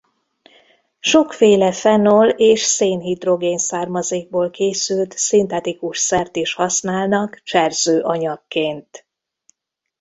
Sokféle fenol- és szénhidrogén származékból készült szintetikus szert is használnak cserzőanyagként.